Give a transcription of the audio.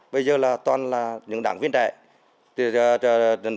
bây giờ toàn là những đảng viên trẻ